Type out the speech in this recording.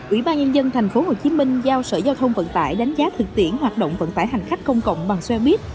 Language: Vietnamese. ủy ban nhân dân tp hcm giao sở giao thông vận tải đánh giá thực tiễn hoạt động vận tải hành khách công cộng bằng xe buýt